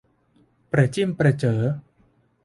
ประจิ้มประเจ๋อ